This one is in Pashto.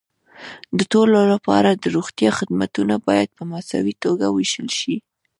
د ټولو لپاره د روغتیا خدمتونه باید په مساوي توګه وېشل شي.